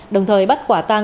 đồng thời bắt quả tăng